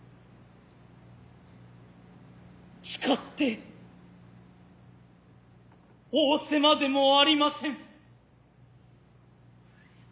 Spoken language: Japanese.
誓つて仰せまでもありません。